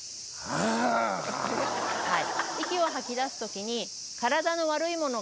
はい。